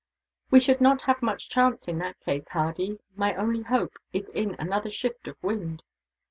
"We should not have much chance, in that case, Hardy; my only hope is in another shift of wind."